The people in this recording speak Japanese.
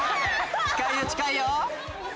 近いよ近いよ！